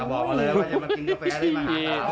มาเลิกไว้ตรงนี้